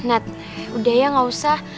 nat udah ya nggak usah